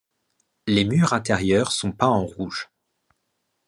Les murs intérieurs sont peints en rouge.